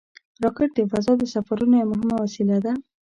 راکټ د فضا د سفرونو یوه مهمه وسیله ده